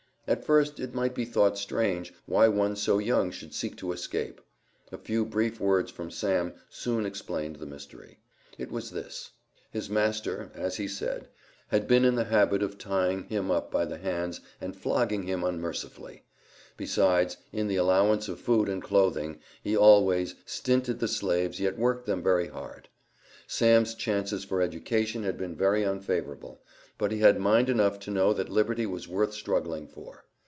At first, it might be thought strange, why one so young should seek to escape. A few brief words from Sam soon explained the mystery. It was this: his master, as he said, had been in the habit of tying him up by the hands and flogging him unmercifully; besides, in the allowance of food and clothing, he always "stinted the slaves yet worked them very hard." Sam's chances for education had been very unfavorable, but he had mind enough to know that liberty was worth struggling for.